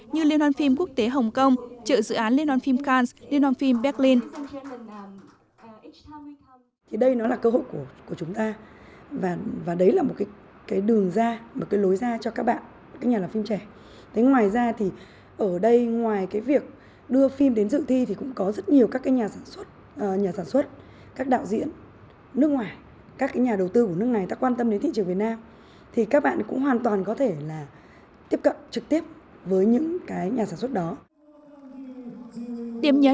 như liên hoàn phim quốc tế hồng kông trợ dự án liên hoàn phim cannes liên hoàn phim berlin